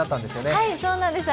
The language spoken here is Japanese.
はい、そうなんです。